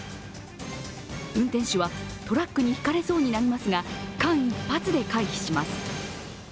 運転手はトラックにひかれそうになりますが、間一髪で回避します。